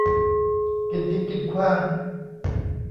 กินทิ้งกินขว้าง